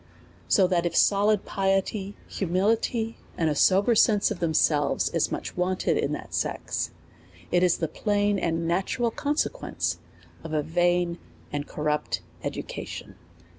So that if solid piety, humility, and a sober sense of themselves, is much wanted in that sex, it is the plain and natural conse quence of a vain and corrupt education.